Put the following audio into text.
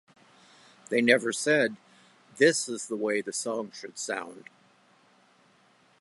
They never said: 'This is the way the song should sound.